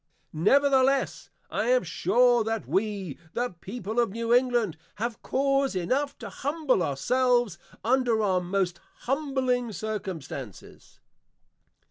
Nevertheless, I am sure that we, the People of New England, have cause enough to Humble our selves under our most Humbling Circumstances.